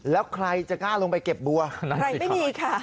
แล้วใครจะกล้าลงไปเก็บบัวอะไรไม่มีค่ะ